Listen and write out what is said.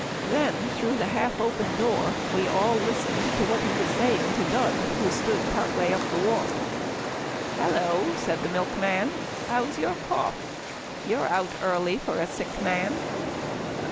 Then, through the half open door, we all listened to what he was saying to Dud who stood part way up the walk. "Hello," said the milkman, "how's your cough? You're out early for a sick man."